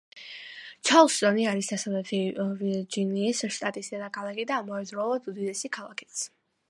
ჩარლსტონი არის დასავლეთ ვირჯინიის შტატის დედაქალაქი და ამავდროულად უდიდესი ქალაქიც.